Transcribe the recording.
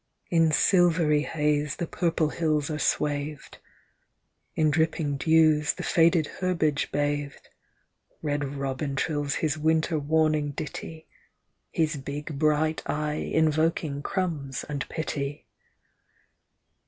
OCTOBER, 1861. 23 In silvery haze the purple hills are swathed, In dripping dews the faded herbage bathed — Bed Bobin trills his winter warning ditty ; His big bright eye envoking crums and pity.